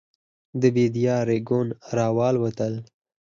د بېدیا رېګون راوالوتل.